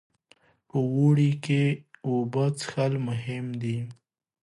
په اوړي کې اوبه څښل مهم دي.